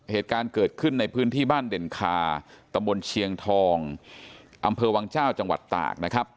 เหตุการณ์เกิดขึ้นในพื้นที่บ้านเด่นคาตะบนเชียงทองอำเภอวังเจ้าจังหวัดตากนะครับ